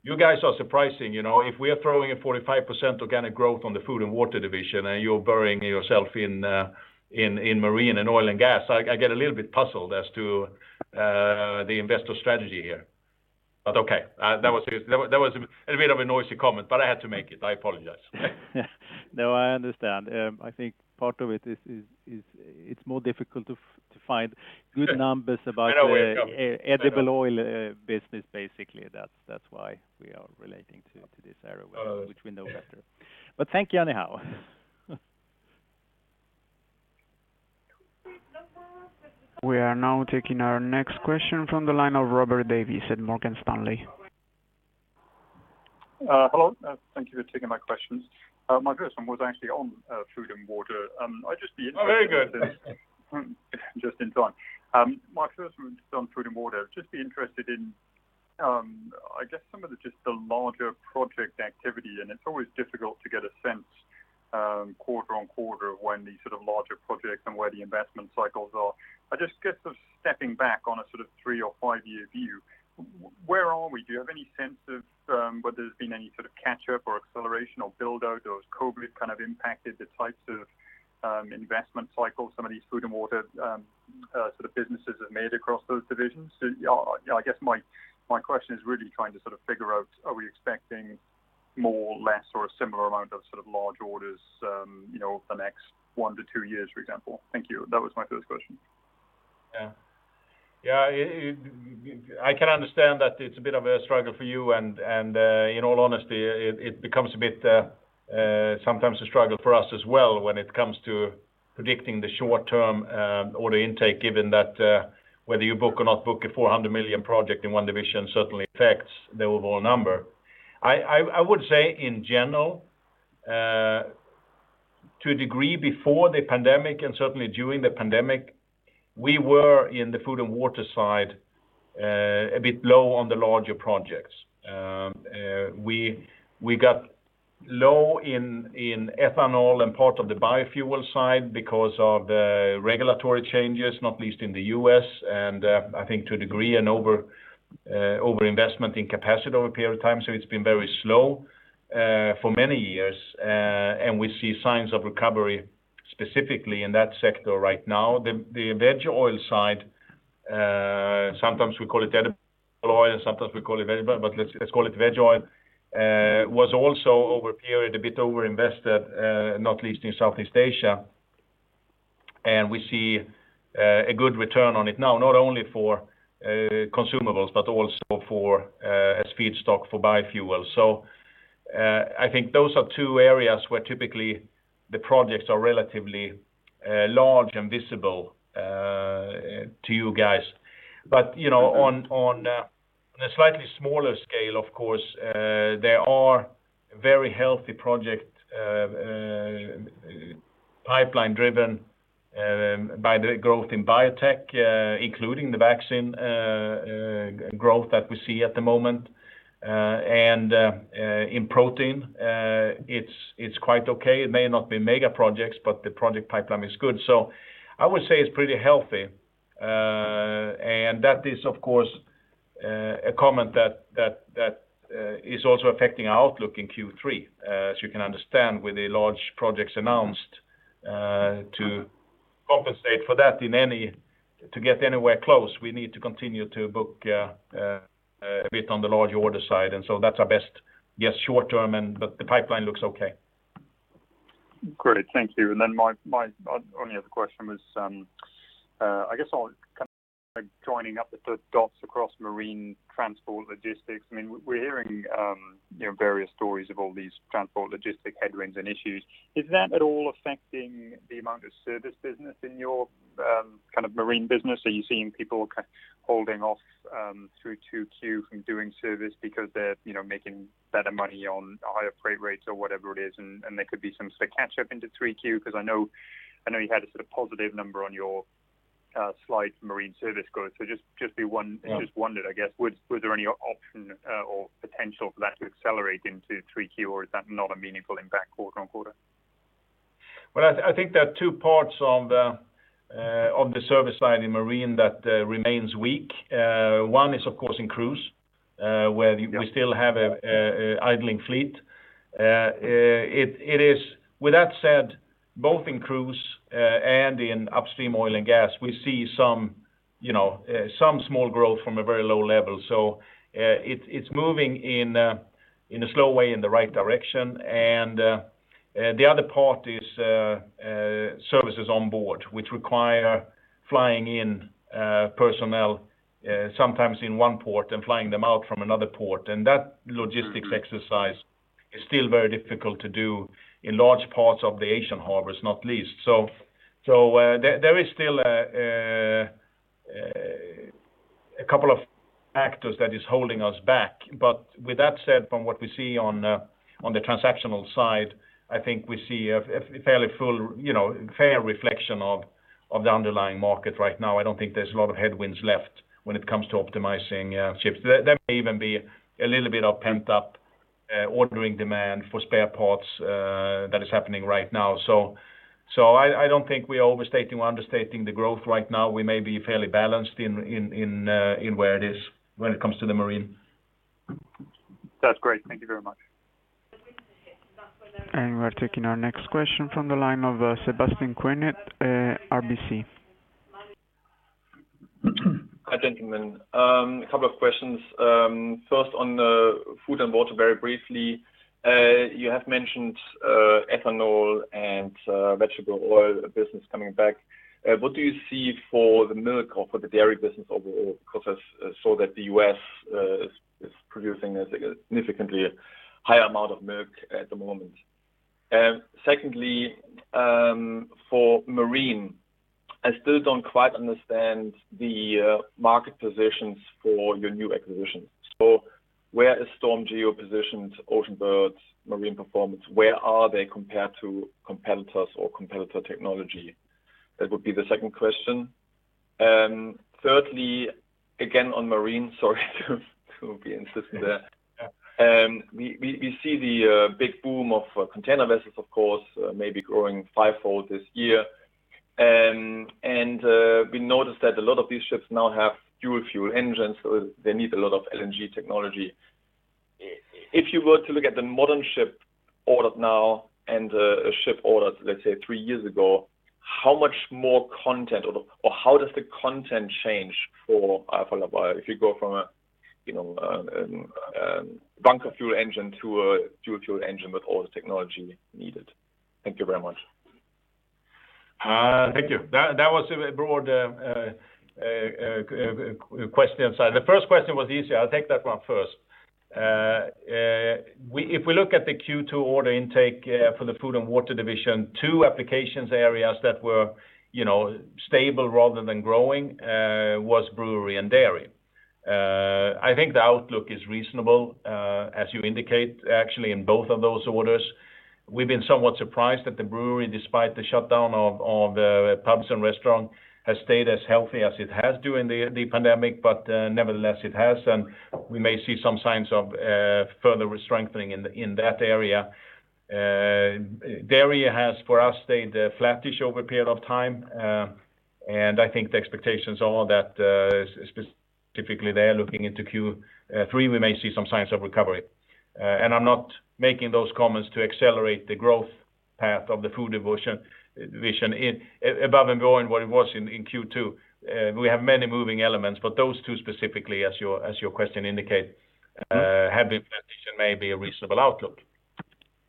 you guys are surprising. If we are throwing a 45% organic growth on the Food & Water Division and you're burying yourself in Marine and oil and gas, I get a little bit puzzled as to the investor strategy here. Okay, that was a bit of a noisy comment, but I had to make it. I apologize. No, I understand. I think part of it is it's more difficult to find good numbers about- I know where you're coming from.... the edible oil business, basically. That's why we are relating to this area which we know better. Thank you anyhow. We are now taking our next question from the line of Robert Davies at Morgan Stanley. Hello. Thank you for taking my questions. My first one was actually on Food & Water. Oh, very good. Just in time. My first one is on Food & Water. I guess some of just the larger project activity, and it's always difficult to get a sense quarter-on-quarter of when these sort of larger projects and where the investment cycles are. I guess sort of stepping back on a sort of three or five-year view, where are we? Do you have any sense of whether there's been any sort of catch-up or acceleration or build-out as COVID kind of impacted the types of investment cycles some of these Food & Water sort of businesses have made across those divisions? I guess my question is really trying to sort of figure out, are we expecting more, less, or a similar amount of sort of large orders over the next one to two years, for example? Thank you. That was my first question. Yeah. I can understand that it's a bit of a struggle for you and, in all honesty, it becomes a bit sometimes a struggle for us as well when it comes to predicting the short-term order intake, given that whether you book or not book a 400 million project in one division, certainly affects the overall number. I would say in general, to a degree before the pandemic and certainly during the pandemic, we were in the Food & Water side a bit low on the larger projects. We got low in ethanol and part of the biofuel side because of the regulatory changes, not least in the U.S. and, I think to a degree, an over-investment in capacity over a period of time. It's been very slow for many years, and we see signs of recovery specifically in that sector right now. The veg oil side, sometimes we call it edible oil. Sometimes we call it [vegetable], but let's call it veg oil, was also over a period a bit over-invested, not least in Southeast Asia. We see a good return on it now, not only for consumables but also as feedstock for biofuel. I think those are two areas where typically the projects are relatively large and visible to you guys. On a slightly smaller scale, of course, there are very healthy project pipeline driven by the growth in biotech, including the vaccine growth that we see at the moment. In protein, it's quite okay. It may not be mega projects, but the project pipeline is good. I would say it's pretty healthy. That is, of course, a comment that is also affecting our outlook in Q3. As you can understand with the large projects announced, to compensate for that, to get anywhere close, we need to continue to book a bit on the large order side. That's our best guess short term, but the pipeline looks okay. Great. Thank you. My only other question was, I guess I'll kind of joining up the dots across Marine transport logistics. We're hearing various stories of all these transport logistic headwinds and issues. Is that at all affecting the amount of service business in your Marine business? Are you seeing people kind of holding off through 2Q from doing service because they're making better money on higher freight rates or whatever it is, and there could be some sort of catch-up into 3Q? I know you had a sort of positive number on your slide for Marine service growth. Just wondered, I guess, was there any option or potential for that to accelerate into 3Q, or is that not a meaningful impact quarter-on-quarter? Well, I think there are two parts of the service side in Marine that remains weak. One is, of course, in cruise, where we still have an idling fleet. With that said, both in cruise and in upstream oil and gas, we see some small growth from a very low level. It's moving in a slow way in the right direction. The other part is services on board, which require flying in personnel. Sometimes in one port and flying them out from another port. That logistics exercise is still very difficult to do in large parts of the Asian harbors, not least. There is still a couple of factors that is holding us back. With that said, from what we see on the transactional side, I think we see a fair reflection of the underlying market right now. I don't think there's a lot of headwinds left when it comes to optimizing ships. There may even be a little bit of pent-up ordering demand for spare parts that is happening right now. I don't think we are overstating or understating the growth right now. We may be fairly balanced in where it is when it comes to the Marine. That's great. Thank you very much. We're taking our next question from the line of Sebastian Kuenne, RBC. Hi, gentlemen. A couple of questions. First on Food & Water, very briefly. You have mentioned ethanol and vegetable oil business coming back. What do you see for the milk or for the dairy business overall? Because I saw that the U.S. is producing a significantly high amount of milk at the moment. Secondly, for Marine, I still don't quite understand the market positions for your new acquisitions. Where is StormGeo positioned, Oceanbird, Marine Performance, where are they compared to competitors or competitor technology? That would be the second question. Thirdly, again, on Marine, sorry to be insistent there. We see the big boom of container vessels, of course, maybe growing five-fold this year. We noticed that a lot of these ships now have dual fuel engines, so they need a lot of LNG technology. If you were to look at the modern ship ordered now and a ship ordered, let's say, three years ago, how much more content, or how does the content change for Alfa Laval if you go from a bunker fuel engine to a dual fuel engine with all the technology needed? Thank you very much. Thank you. That was a broad question. Sorry. The first question was easier. I'll take that one first. If we look at the Q2 order intake for the Food & Water Division, two applications areas that were stable rather than growing was brewery and dairy. I think the outlook is reasonable as you indicate, actually, in both of those orders. We've been somewhat surprised that the brewery, despite the shutdown of pubs and restaurant, has stayed as healthy as it has during the pandemic. Nevertheless, it has, and we may see some signs of further strengthening in that area. Dairy has, for us, stayed flattish over a period of time. I think the expectations are that specifically there, looking into Q3, we may see some signs of recovery. I'm not making those comments to accelerate the growth path of the Food Division above and beyond what it was in Q2. We have many moving elements. But those two specifically, as your question indicate, have been flattish and may be a reasonable outlook.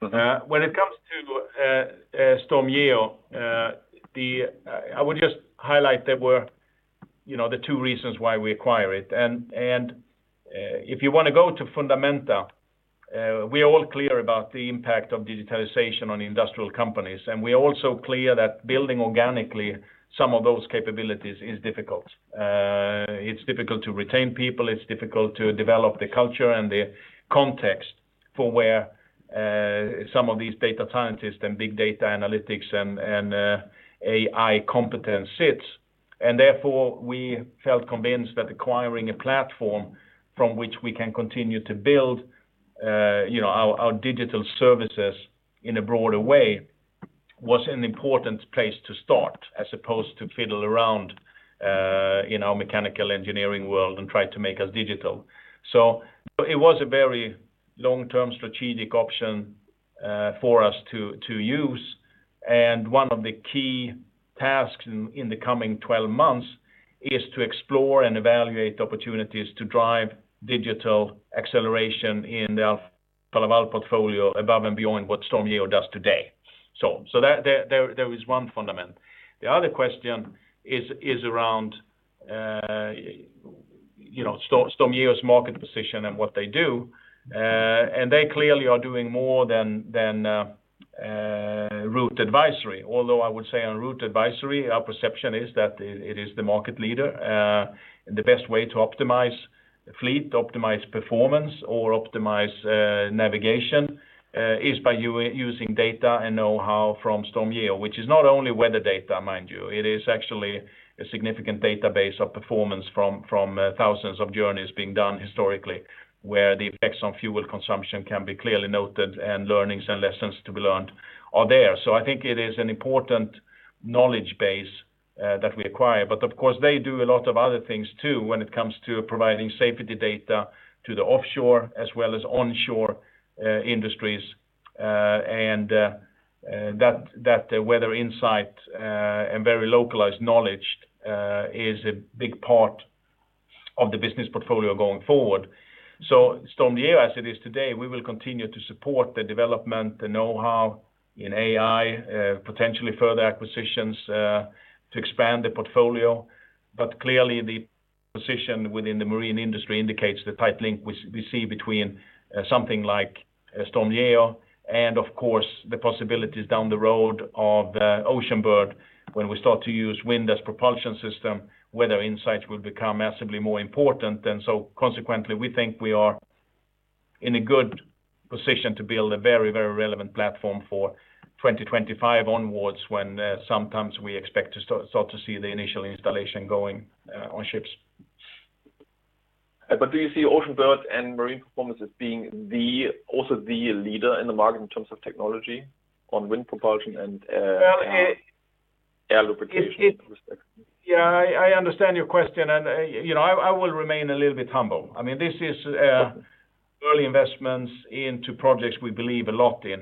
When it comes to StormGeo, I would just highlight there were the two reasons why we acquire it. If you want to go to fundamentals, we are all clear about the impact of digitalization on industrial companies, and we are also clear that building organically some of those capabilities is difficult. It's difficult to retain people. It's difficult to develop the culture and the context for where some of these data scientists and big data analytics and AI competence sits. Therefore, we felt convinced that acquiring a platform from which we can continue to build our digital services in a broader way was an important place to start, as opposed to fiddle around in our mechanical engineering world and try to make us digital. It was a very long-term strategic option for us to use. One of the key tasks in the coming 12 months is to explore and evaluate opportunities to drive digital acceleration in the Alfa Laval portfolio above and beyond what StormGeo does today. There is one fundament. The other question is around StormGeo's market position and what they do. They clearly are doing more than route advisory. Although I would say on route advisory, our perception is that it is the market leader. The best way to optimize fleet, optimize performance, or optimize navigation, is by using data and know-how from StormGeo, which is not only weather data, mind you. It is actually a significant database of performance from thousands of journeys being done historically, where the effects on fuel consumption can be clearly noted and learnings and lessons to be learned are there. I think it is an important knowledge base that we acquire. Of course, they do a lot of other things too, when it comes to providing safety data to the offshore as well as onshore industries. That weather insight and very localized knowledge is a big part of the business portfolio going forward. StormGeo, as it is today, we will continue to support the development, the know-how in AI, potentially further acquisitions to expand the portfolio. Clearly, the position within the marine industry indicates the tight link we see between something like StormGeo and of course, the possibilities down the road of Oceanbird, when we start to use wind as propulsion system, weather insights will become massively more important. Consequently, we think we are in a good position to build a very relevant platform for 2025 onwards, when sometimes we expect to start to see the initial installation going on ships. Do you see Oceanbird and Marine Performance as being also the leader in the market in terms of technology on wind propulsion- Well...... air lubrication in that respect? Yeah, I understand your question. I will remain a little bit humble. This is early investments into projects we believe a lot in.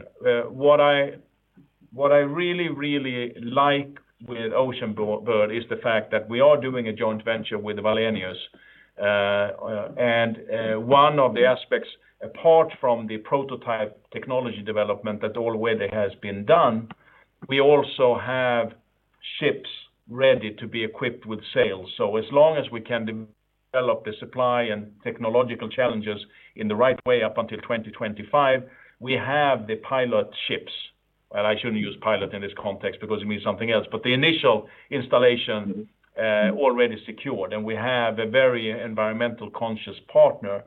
What I really, really like with Oceanbird is the fact that we are doing a joint venture with Wallenius. One of the aspects, apart from the prototype technology development that already has been done, we also have ships ready to be equipped with sails. As long as we can develop the supply and technological challenges in the right way up until 2025, we have the pilot ships. I shouldn't use pilot in this context because it means something else. The initial installation already secured. We have a very environmental-conscious partner,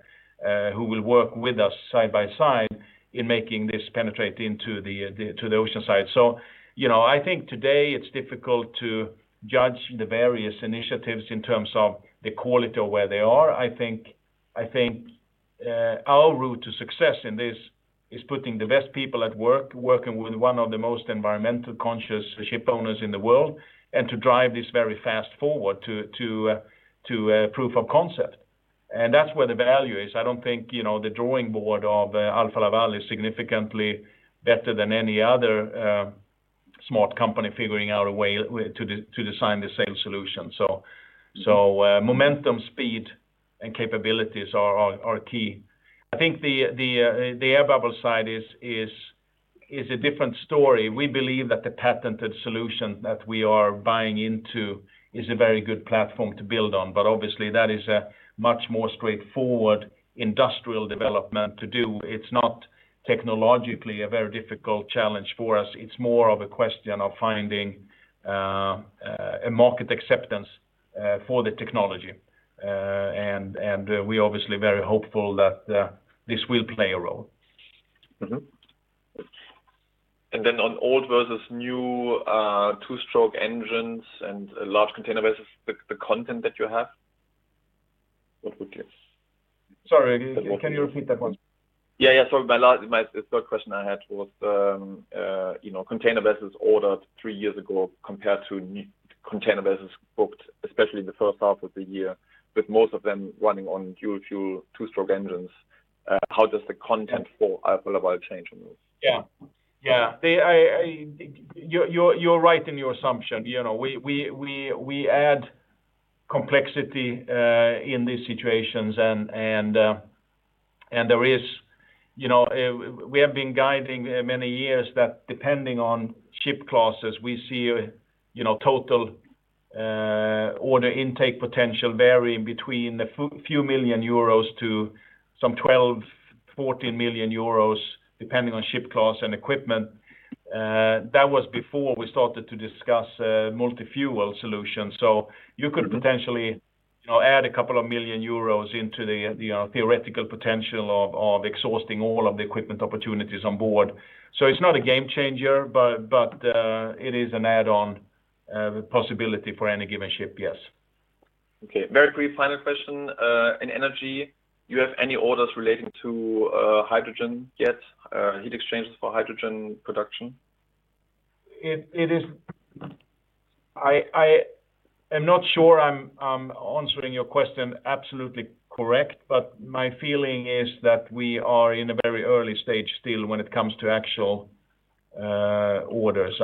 who will work with us side by side in making this penetrate into the ocean side. I think today it's difficult to judge the various initiatives in terms of the quality of where they are. I think our route to success in this is putting the best people at work, working with one of the most environmental conscious ship owners in the world, and to drive this very fast forward to proof of concept. That's where the value is. I don't think the drawing board of Alfa Laval is significantly better than any other smart company figuring out a way to design the sail solution. Momentum, speed and capabilities are key. I think the air bubble side is a different story. We believe that the patented solution that we are buying into is a very good platform to build on. Obviously, that is a much more straightforward industrial development to do. It's not technologically a very difficult challenge for us. It's more of a question of finding a market acceptance for the technology. We're obviously very hopeful that this will play a role. On old versus new two-stroke engines and large container vessels, the content that you have? Sorry, can you repeat that one? Yeah. Sorry. My third question I had was container vessels ordered three years ago compared to new container vessels booked, especially in the first half of the year, with most of them running on dual fuel, two-stroke engines. How does the content for Alfa Laval change on those? Yeah. You're right in your assumption. We add complexity in these situations. We have been guiding many years that depending on ship classes, we see total order intake potential varying between a few million euros to some 12 million-14 million euros, depending on ship class and equipment. That was before we started to discuss multi-fuel solutions. You could potentially add a couple of million euros into the theoretical potential of exhausting all of the equipment opportunities on board. It's not a game changer, but it is an add-on possibility for any given ship, yes. Okay. Very quick final question. In Energy, you have any orders relating to hydrogen yet? Heat exchangers for hydrogen production? I am not sure I'm answering your question absolutely correct, but my feeling is that we are in a very early stage still when it comes to actual orders.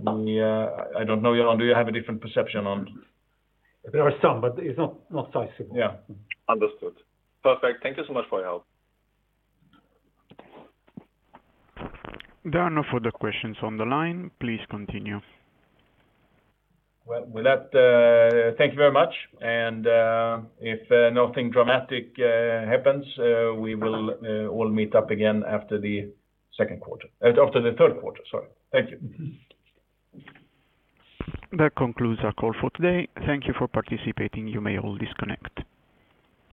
I don't know, Jan, do you have a different perception on? There are some, but it's not sizable. Yeah. Understood. Perfect. Thank you so much for your help. There are no further questions on the line. Please continue. Well, with that, thank you very much. If nothing dramatic happens, we will all meet up again after the third quarter. Thank you. That concludes our call for today. Thank you for participating. You may all disconnect.